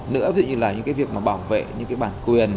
nữa ví dụ như là những cái việc mà bảo vệ những cái bản quyền